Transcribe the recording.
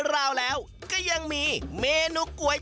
โรงโต้งคืออะไร